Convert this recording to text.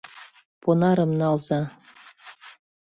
Понарым налза.